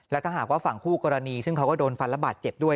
และถ้าหากว่าฝั่งคู่กรณีซึ่งเขาก็โดนฟันระบาดเจ็บด้วย